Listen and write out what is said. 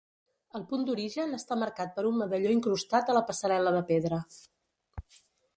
El punt d'origen està marcat per un medalló incrustat a la passarel·la de pedra.